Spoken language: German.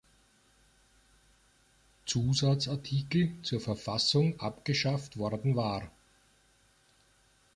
Zusatzartikel zur Verfassung abgeschafft worden war.